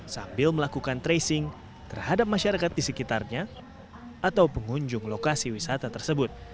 sambil melakukan tracing terhadap masyarakat di sekitarnya atau pengunjung lokasi wisata tersebut